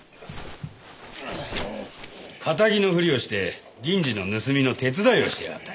堅気のふりをして銀次の盗みの手伝いをしてやがった。